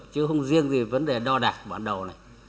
chứ không riêng gì vấn đề đo đạc bản đồ này